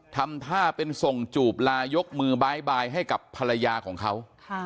ทำท่าเป็นส่งจูบลายกมือบ๊ายบายให้กับภรรยาของเขา